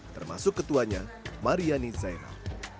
termasuk ketuanya mariani zainal